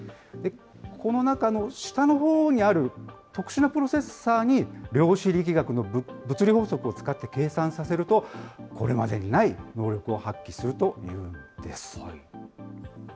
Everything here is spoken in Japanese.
この中の下のほうにある、特殊なプロセッサーに量子力学の物理法則を使って計算させると、これまでにない能力を発揮するというんです。